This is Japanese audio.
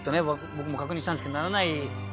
僕も確認したんですけどならない。